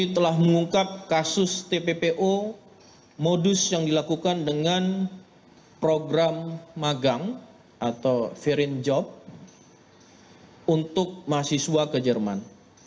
telah mengungkap kasus tppo modus yang dilakukan dengan program magang atau firint job untuk mahasiswa ke jerman